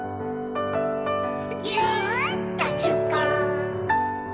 「ぎゅっとじゅっこ」